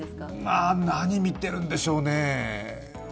何を見てるんでしょうね。